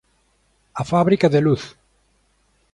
A Fábrica de luz.